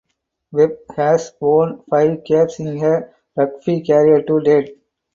Webb has won five caps in her rugby career to date.